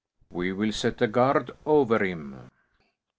"We will set a guard over him."